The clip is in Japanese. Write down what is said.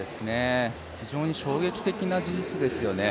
非常に衝撃的な事実ですよね。